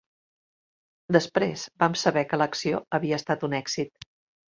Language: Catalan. Després vam saber que l'acció havia estat un èxit